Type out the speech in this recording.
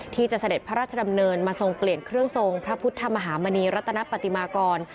เสด็จพระราชดำเนินมาทรงเปลี่ยนเครื่องทรงพระพุทธมหามณีรัตนปฏิมากร